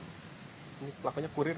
ini pelakunya kurir